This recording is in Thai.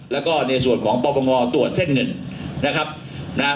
แล้วก็ในส่วนของปปงตรวจเส้นเงินนะครับนะฮะ